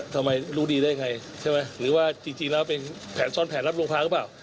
ทำไมรู้ดีได้อย่างไรใช่ไหม